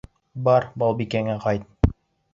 Бар Балбикәңә ҡайт!